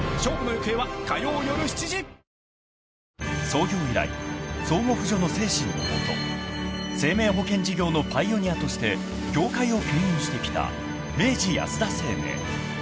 ［創業以来相互扶助の精神の下生命保険事業のパイオニアとして業界をけん引してきた明治安田生命］